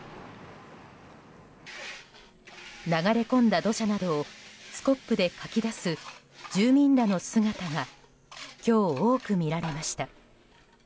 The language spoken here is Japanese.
流れ込んだ土砂などをスコップでかき出す住民らの姿が今日多く見られました。